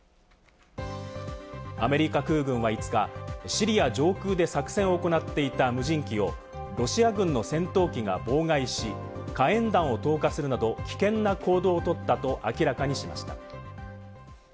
アメリカ空軍は５日、シリア上空で作戦を行っていた無人機をロシア軍の戦闘機が妨害し、火炎弾を投下するなど危険な行動をとったと明らかにしました。